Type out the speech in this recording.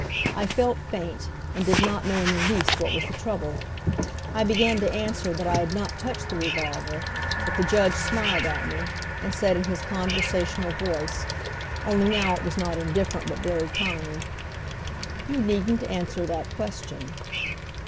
I felt faint, and did not know in the least what was the trouble. I began to answer that I had not touched the revolver, but the judge smiled at me, and said in his conversational voice: only now it was not indifferent but very kind, "You needn't answer that question."